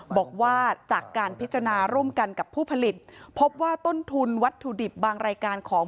บอกว่าจากการพิจารณาร่วมกันกับผู้ผลิตพบว่าต้นทุนวัตถุดิบบางรายการของ